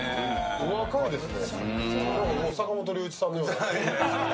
お若いですね。